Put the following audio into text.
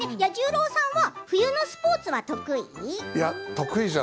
彌十郎さんは冬のスポーツは得意？